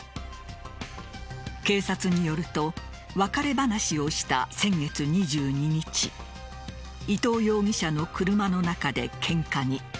警察によると別れ話をした先月２２日伊藤容疑者の車の中でケンカに。